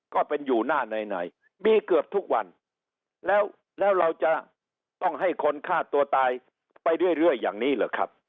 ก็เป็นอยู่หน้าในมีเกือบทุกวันแล้วแล้วเราจะต้องให้คนฆ่าตัวตายไปเรื่อยอย่างนี้เหรอครับ